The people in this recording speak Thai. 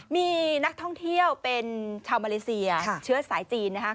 มีนักท่องเที่ยวเป็นชาวมาเลเซียเชื้อสายจีนนะคะ